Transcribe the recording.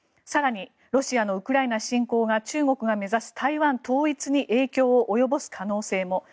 更に、ロシアのウクライナ侵攻が中国が目指す台湾統一に影響を及ぼす可能性も。